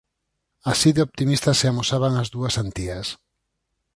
Así de optimistas se amosaban as dúas Antías.